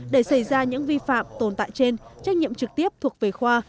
để xảy ra những vi phạm tồn tại trên trách nhiệm trực tiếp thuộc về khoa